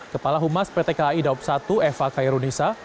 kepala humas pt kai daob satu eva kairunisa